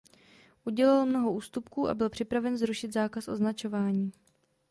Udělal mnoho ústupků a byl připraven zrušit zákaz označování.